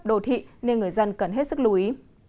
đô thị nên người dân cần hết sức lưu ý